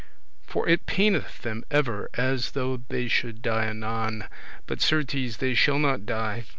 for it paineth them ever as though they should die anon; but certes they shall not die.